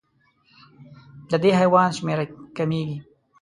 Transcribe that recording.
د دې حیوان شمېره کمېږي.